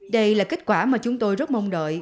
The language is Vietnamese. đây là kết quả mà chúng tôi rất mong đợi